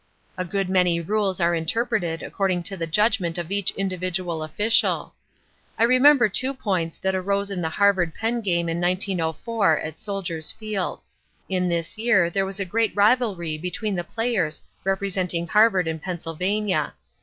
A good many rules are interpreted according to the judgment of each individual official. I remember two points that arose in the Harvard Penn' game in 1904, at Soldiers' Field. In this year there was great rivalry between the players representing Harvard and Pennsylvania.